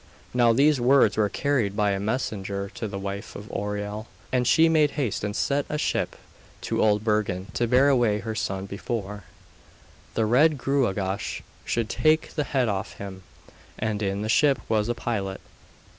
Now these words were carried by a messenger to the wife of Oireal, and she made haste and sent a ship to Old Bergen to bear away her son before the Red Gruagach should take the head off him. And in the ship was a pilot.